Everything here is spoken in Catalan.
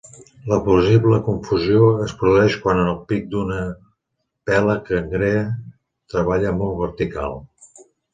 La possible confusió es produeix quan el pic d'una vela cangrea treballa molt vertical.